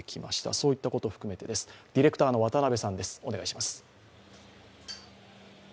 そういったことを含めて、ディレクターの渡部さん、お願いします。